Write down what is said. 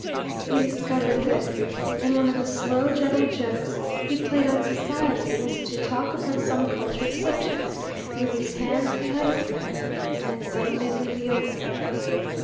He discovered this, and one of the slow, gentle jokes he played on society was to talk upon some cultured subject with his hands behind his back and then suddenly reveal them.